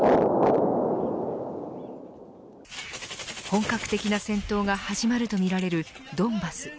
本格的な戦闘が始まるとみられるドンバス。